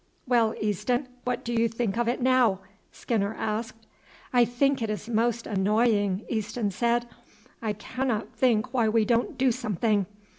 "Well, Easton, what do you think of it now?" Skinner asked. "I think it is most annoying," Easton said. "I cannot think why we don't do something.